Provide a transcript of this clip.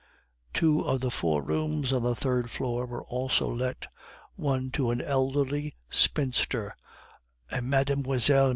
Two of the four rooms on the third floor were also let one to an elderly spinster, a Mlle.